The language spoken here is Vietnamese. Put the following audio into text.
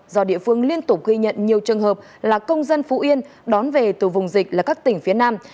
do địa phương liên tục ghi nhận nhiều trường hợp là công dân phú yên đón về từ vùng dịch là các tỉnh phía nam